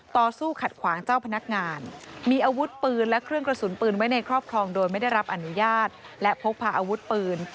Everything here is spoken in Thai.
ต่อสู้ขัดขวางเจ้าพนักงาน